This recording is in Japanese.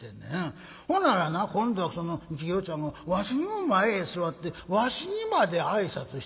ほならな今度はそのきよちゃんがわしの前へ座ってわしにまで挨拶して。